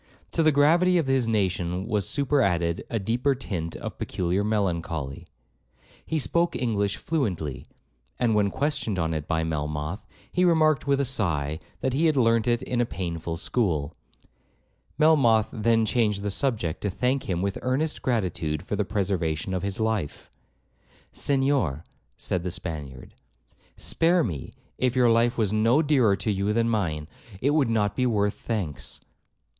To the gravity of his nation was super added a deeper tint of peculiar melancholy. He spoke English fluently; and when questioned on it by Melmoth, he remarked with a sigh, that he had learnt it in a painful school. Melmoth then changed the subject, to thank him with earnest gratitude for the preservation of his life. 'Senhor,' said the Spaniard, 'spare me; if your life was no dearer to you than mine, it would not be worth thanks.'